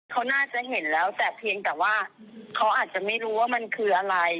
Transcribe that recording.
เขาน่าจะเห็นแล้วแต่เพียงแต่ว่าเขาอาจจะไม่รู้ว่ามันคืออะไร